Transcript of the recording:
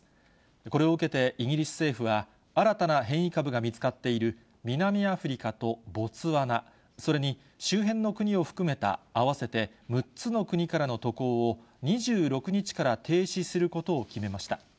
これを受けて、イギリス政府は、新たな変異株が見つかっている南アフリカとボツワナ、それに周辺の国を含めた合わせて６つの国からの渡航を２６日から停止することを決めました。